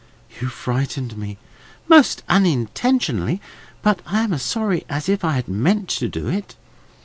"You frightened me." "Most unintentionally, but I am as sorry as if I had meant to do it.